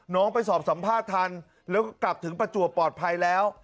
ไปสอบสัมภาษณ์ทันแล้วกลับถึงประจวบปลอดภัยแล้ว